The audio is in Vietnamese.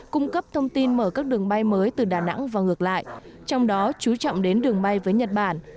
cung cấp thông tin mở các đường bay mới từ đà nẵng và ngược lại trong đó chú trọng đến đường bay với nhật bản